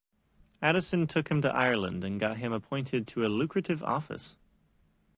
Addison took him to Ireland and got him appointed to a lucrative office.